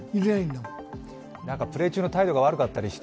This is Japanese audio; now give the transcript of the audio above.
プレー中の態度が悪かったりして。